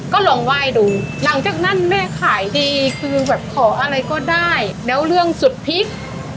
ก็ลองไหว้ดูหลังจากนั้นแม่ขายดีคือแบบขออะไรก็ได้แล้วเรื่องสุดพลิก